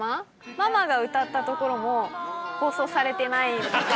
ママが歌ったところも放送されてないの。